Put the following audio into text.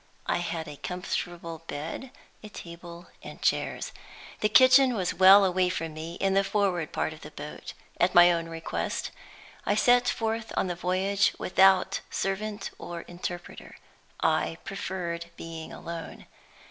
I had a comfortable bed, a table, and chairs. The kitchen was well away from me, in the forward part of the boat. At my own request, I set forth on the voyage without servant or interpreter. I preferred being alone.